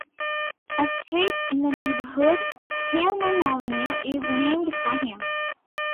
A street in the neighborhood, Hillman Avenue, is named for him.